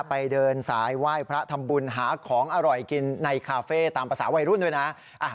ไปเดินสายไหว้พระทำบุญหาของอร่อยกินในคาเฟ่ตามภาษาวัยรุ่นด้วยนะ